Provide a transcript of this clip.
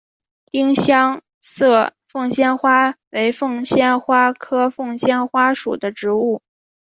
丁香色凤仙花为凤仙花科凤仙花属的植物。